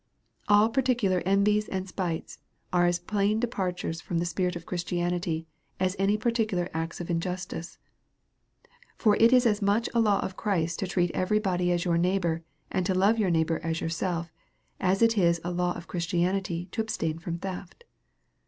All particular envies and spites, are as plain depart ures from the spirit of Christianity, as any particular acts of injustice. For it is as much a law of Christ to treat every body as your neighbour, and to love your neighbour as yourself, as it is a law of Christianity to abstain from theft.